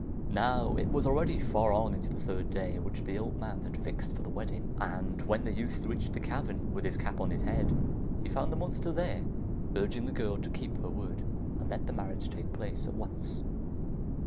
Now it was already far on into the third day, which the old man had fixed for the wedding, and when the youth reached the cavern with his cap on his head, he found the monster there, urging the girl to keep her word and let the marriage take place at once.